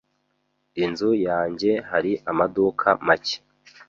Inzu yanjye hari amaduka make.